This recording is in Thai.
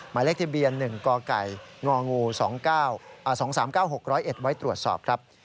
หมายเลขทะเบียน๑กกง๒๓๙๖๐๑ไว้ตรวจสอบครับ